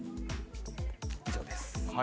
以上です。